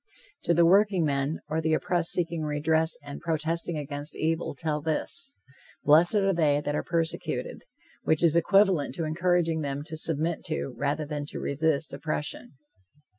To the workingmen, or the oppressed seeking redress and protesting against evil, tell this: "Blessed are they that are persecuted," which is equivalent to encouraging them to submit to, rather than to resist, oppression.